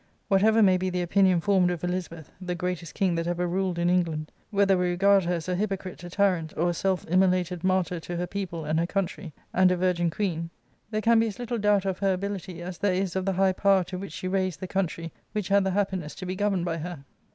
Whatever may be the opinion formed of EHzabeth, "the greatest king that ever ruled in England," — whether we regard her as a hypocrite, a tyrant, or a self immolated martyr to her people and her country', and a virgin queen, — there can be as little doubt of her ability as there is of the high power to which she raised the country which had the happiness to be governed by her.